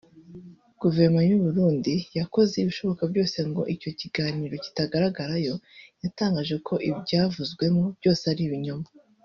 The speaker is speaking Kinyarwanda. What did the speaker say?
Guverinoma y’u Burundi (yakoze ibishoboka byose ngo icyo kiganiro kitagaragarayo) yatangaje ko ibyavuzwemo byose ari ibinyoma